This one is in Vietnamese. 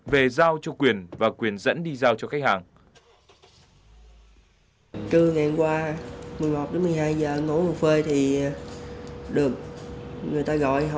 về giao cho quyền và quyền dẫn đi giao cho khách hàng